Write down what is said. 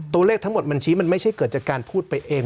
ตัวเลขทั้งหมดมันชี้มันไม่ใช่เกิดจากการพูดไปเอง